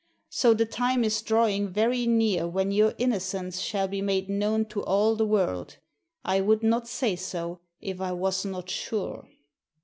So the time is drawing very near when your innocence shall be made known to all the world — I would not say so if I was not sure.